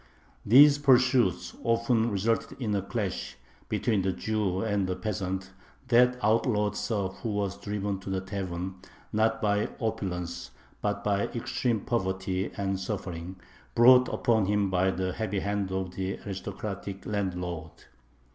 These pursuits often resulted in a clash between the Jew and the peasant, that outlawed serf who was driven to the tavern, not by opulence, but by extreme poverty and suffering, brought upon him by the heavy hand of the aristocratic landlord.